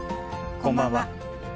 こんばんは。